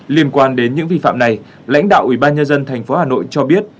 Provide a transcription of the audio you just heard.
liên quan đến những vi phạm này lãnh đạo ủy ban nhân dân tp hà nội cho biết